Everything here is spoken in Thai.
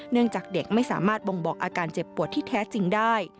เนื่องจากเด็กไม่สามารถบ่งบอกอาการเจ็บปวดที่แท้จริงได้